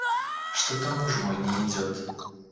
Что-то муж мой не идёт.